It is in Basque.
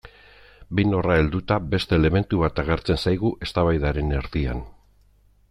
Behin horra helduta, beste elementu bat agertzen zaigu eztabaidaren erdian.